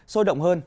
sôi động hơn